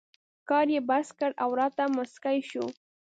کار یې بس کړ او راته مسکی شو.